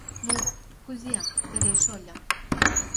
Ну, кузе, Терей шольо?